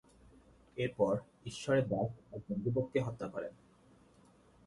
এরপর, ঈশ্বরের দাস একজন যুবককে হত্যা করেন।